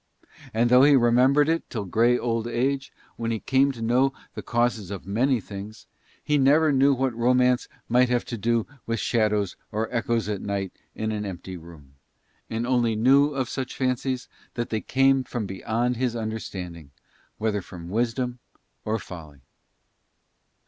And though he remembered it till grey old age, when he came to know the causes of many things, he never knew what romance might have to do with shadows or echoes at night in an empty room, and only knew of such fancies that they came from beyond his understanding, whether from wisdom or folly.